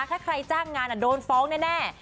ถ้าใครจ้างงานโดนฟ้องแน่